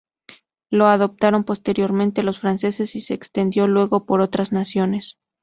Lo adoptaron posteriormente los franceses y se extendió luego por otras naciones.